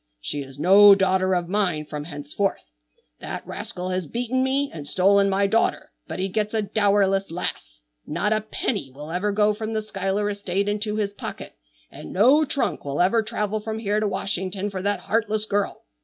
She is no daughter of mine from henceforth. That rascal has beaten me and stolen my daughter, but he gets a dowerless lass. Not a penny will ever go from the Schuyler estate into his pocket, and no trunk will ever travel from here to Washington for that heartless girl.